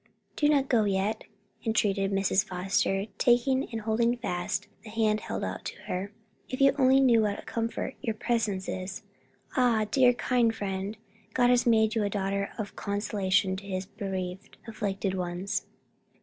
'" "Do not go yet!" entreated Mrs. Foster, taking and holding fast the hand held out to her, "if you only knew what a comfort your presence is Ah, dear, kind friend, God has made you a daughter of consolation to his bereaved, afflicted ones!"